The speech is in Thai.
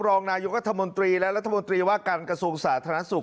รองนายกรัฐมนตรีและรัฐมนตรีว่าการกระทรวงสาธารณสุข